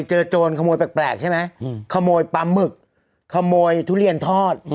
โจรขโมยแปลกใช่ไหมขโมยปลาหมึกขโมยทุเรียนทอด